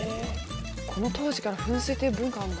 この当時から噴水っていう文化あるんだ。